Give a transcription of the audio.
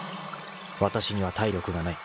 ［わたしには体力がない。